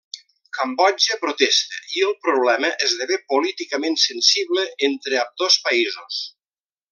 Cambodja protesta, i el problema esdevé políticament sensible entre ambdós països.